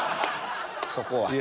そこは。